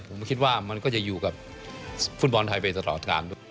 ผมคิดว่ามันก็จะอยู่กับฟุตบอลไทยไปตลอดการด้วย